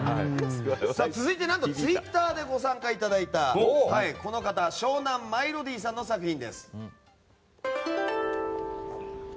続いて、ツイッターでご参加いただいた方湘南マイロディさんの作品です。